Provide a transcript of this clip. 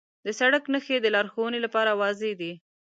د سړک نښې د لارښوونې لپاره واضح وي.